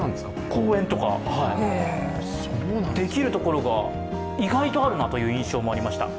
公園とか、できるところが意外とあるなという印象がありました。